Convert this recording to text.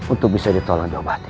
untuk bisa ditolong diobati